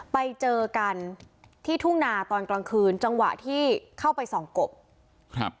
ไปเจอกันที่ทุ่งนาตอนกลางคืนจังหวะที่เข้าไปส่องกบครับ